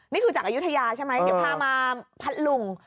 นี่คือจากอายุทยาใช่ไหมเดี๋ยวพามาพัทธลุง